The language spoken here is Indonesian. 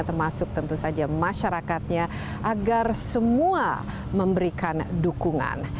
termasuk tentu saja masyarakatnya agar semua memberikan dukungan